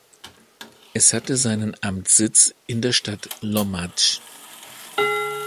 Es hatte seinen Amtssitz in der Stadt Lommatzsch.